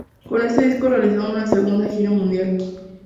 Con este disco realizaron una segunda gira mundial.